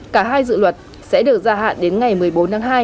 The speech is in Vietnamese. cả hai dự luật sẽ được gia hạn đến ngày một mươi bốn tháng hai năm hai nghìn hai mươi